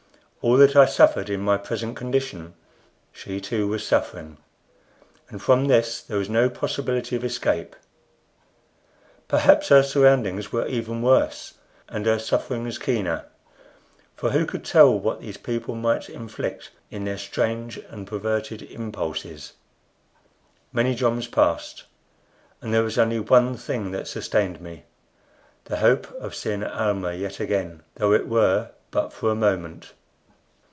All that I suffered in my present condition she too was suffering and from this there was no possibility of escape. Perhaps her surroundings were even worse, and her sufferings keener; for who could tell what these people might inflict in their strange and perverted impulses? Many joms passed, and there was only one thing that sustained me the hope of seeing Almah yet again, though it were but for a moment.